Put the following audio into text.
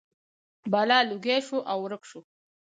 بلا لوګی شو او ورک شو.